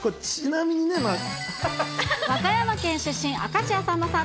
和歌山県出身、明石家さんまさん。